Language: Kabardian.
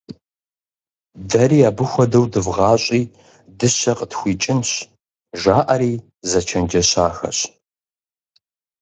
«Дэри абы хуэдэу дывгъащӀи дыщэ къытхуикӀынщ» - жаӀэри зэчэнджэщахэщ.